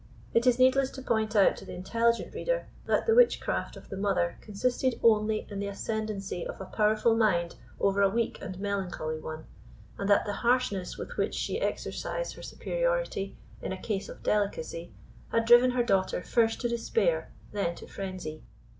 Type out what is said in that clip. It is needless to point out to the intelligent reader that the witchcraft of the mother consisted only in the ascendency of a powerful mind over a weak and melancholy one, and that the harshness with which she exercised her superiority in a case of delicacy had driven her daughter first to despair, then to frenzy.